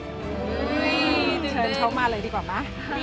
เชิญเชาะมาเลยดีกว่านะ